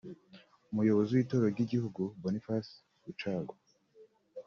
Umuyobozi w’Itorero ry’Igihugu Boniface Rucagu